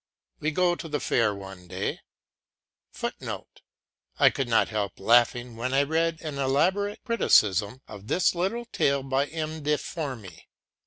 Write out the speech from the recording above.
We go to the fair one day [Footnote: I could not help laughing when I read an elaborate criticism of this little tale by M. de Formy.